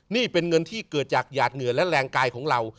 นี่เป็นเงินที่เกิดจากหยาดเหงื่อและแรงกายของเรา